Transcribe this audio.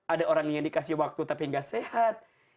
ada orang yang dikasih waktu tapi gak sehat